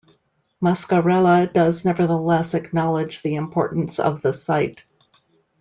Muscarella does nevertheless acknowledge the importance of the site.